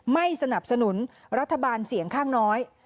ไม่สนับสนุนรัฐบาลเสียงข้างน้อย